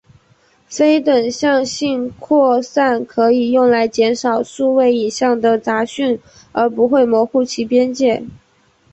非等向性扩散可以用来减少数位影像的杂讯而不会模糊其边界。